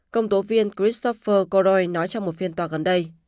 công tố viên christopher coroy nói trong một phiên toàn